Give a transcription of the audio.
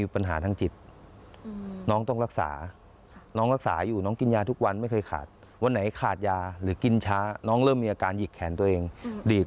เพราะว่าน้องมีปัญหาทางจิต